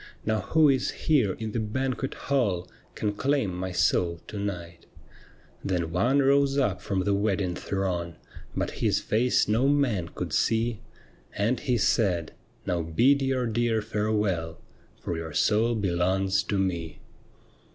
Now who is here in the banquet hall Can claim my soul to night ?' Then one rose up from the wedding throng, But his lace no man could see, And he said :' Now bid your dear farewell. For your soul belongs to me.'